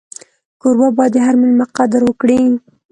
کوربه باید د هر مېلمه قدر وکړي.